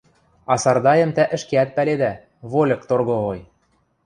А Сардайым тӓ ӹшкеӓт пӓледӓ: вольык торговой.